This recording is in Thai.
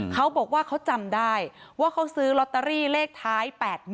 เขาบอกว่าเขาจำได้ว่าเขาซื้อลอตเตอรี่เลขท้าย๘๑